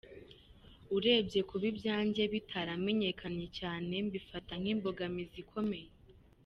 Urebye kuba ibyanjye bitaramenyekana cyane mbifata nk’imbogamizi ikomeye.